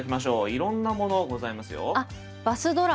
いろんなものございますよ。